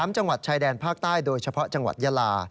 ๓จังหวัดชายแดนภาคใต้โดยเฉพาะจังหวัดยาลา